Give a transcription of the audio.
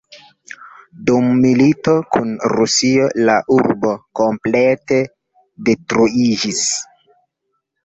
Dum milito kun Rusio, la urbo komplete detruiĝis.